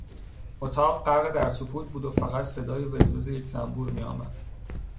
اتاق غرق در سکوت بود و فقط صدای وز وز یک زنبور میآمد.